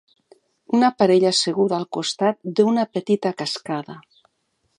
Una parella asseguda al costat d'una petita cascada.